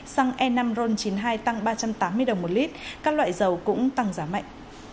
xăng e năm ron chín mươi hai tăng ba trăm tám mươi đồng một lít các loại dầu cũng tăng giá mạnh